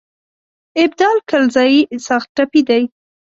ابدال کلزايي سخت ټپي دی.